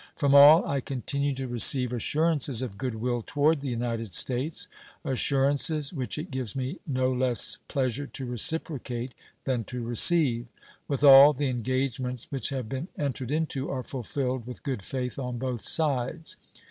From all I continue to receive assurances of good will toward the United States assurances which it gives me no less pleasure to reciprocate than to receive. With all, the engagements which have been entered into are fulfilled with good faith on both sides.